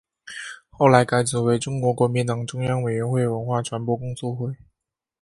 后来改组为中国国民党中央委员会文化传播工作会。